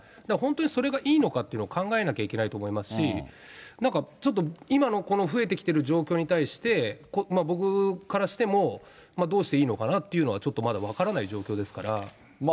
だから本当にそれがいいのかっていうのを考えなきゃいけないと思いますし、なんかちょっと、今のこの増えてきてる状況に対して、僕からしても、どうしていいのかなというのは、ちょっとまだ分からない状況ですから。